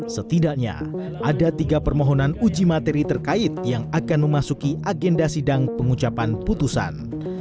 setidaknya ada tiga permohonan uji materi terkait yang akan memasuki agenda sidang pengucapan putusan